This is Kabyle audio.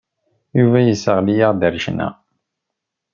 Yuba yesseɣli-aɣ-d ar ccna.